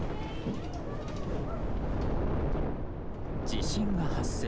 地震が発生。